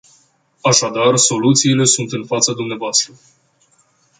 Așadar, soluțiile sunt în fața dvs.